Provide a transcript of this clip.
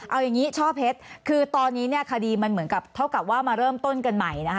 เอาอย่างนี้ช่อเพชรคือตอนนี้เนี่ยคดีมันเหมือนกับเท่ากับว่ามาเริ่มต้นกันใหม่นะคะ